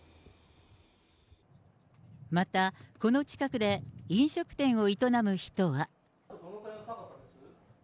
またこの近くで飲食店を営む人は。